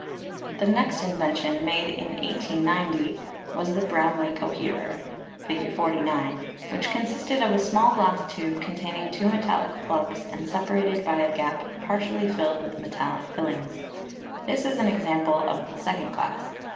The next invention, made in 1890, was the Bramly coherer, Fig. 49, which consisted of a small glass tube containing two metallic plugs and separated by a gap par tially filled with metallic filings. This is an example of the second class.